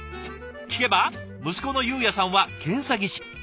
聞けば息子のゆうやさんは検査技師。